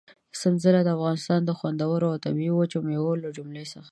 سنځله د افغانستان د خوندورو او طبي وچو مېوو له جملې څخه ده.